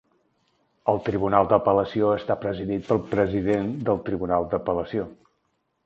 El Tribunal d'apel·lació està presidit pel president del Tribunal d'apel·lació.